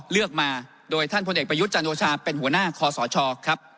เลือกมาโดยท่านพลเอกประยุทธ์จันโอชาเป็นหัวหน้าคอสชครับ